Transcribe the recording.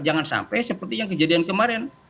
jangan sampai seperti yang kejadian kemarin